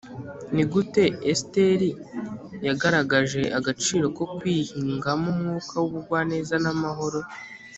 ni gute esiteri yagaragaje agaciro ko kwihingamo umwuka w’ubugwaneza n’amahoro?